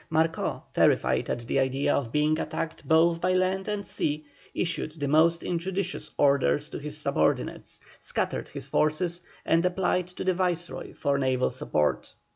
Marcó, terrified at the idea of being attacked both by land and sea, issued the most injudicious orders to his subordinates, scattered his forces, and applied to the Viceroy for naval support.